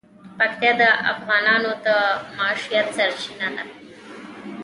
پکتیا د افغانانو د معیشت سرچینه ده.